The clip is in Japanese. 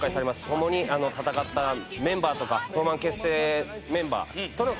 共に戦ったメンバーとかトーマン結成メンバーとの決戦。